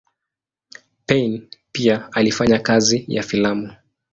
Payn pia alifanya kazi ya filamu.